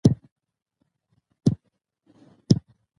سیاسي عدالت د نظام ملا ده